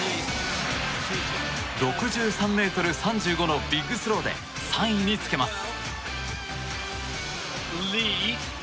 ６３ｍ３５のビッグスローで３位につけます。